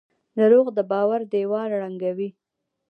دروغ د باور دیوال ړنګوي.